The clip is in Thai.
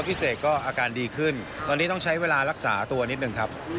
เสกก็อาการดีขึ้นตอนนี้ต้องใช้เวลารักษาตัวนิดนึงครับ